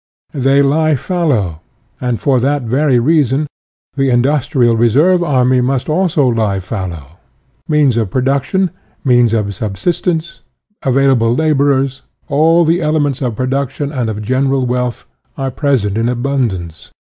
They lie fallow, and for that very reason the industrial reserve army must also lie fal Il8 SOCIALISM low. Means of production, means of sub sistence, available laborers, all the elements of production and of general wealth, are present in abundance.